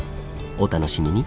お楽しみに。